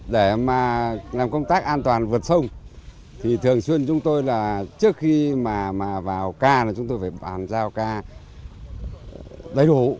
để mà làm công tác an toàn vượt sông thì thường xuyên chúng tôi là trước khi mà vào ca là chúng tôi phải bàn giao ca đầy đủ